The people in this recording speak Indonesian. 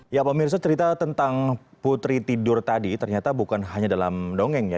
ya pak mirsa cerita tentang putri tidur tadi ternyata bukan hanya dalam dongeng ya